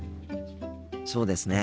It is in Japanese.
そうですね。